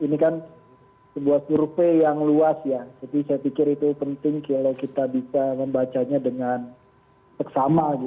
ini kan sebuah survei yang luas ya jadi saya pikir itu penting kalau kita bisa membacanya dengan seksama